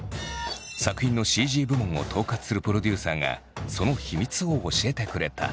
作品のＣＧ部門を統括するプロデューサーがその秘密を教えてくれた。